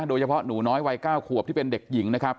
โดยเฉพาะหนูน้อยวัยเก้าขวบที่เป็นเด็กหญิงนะครับ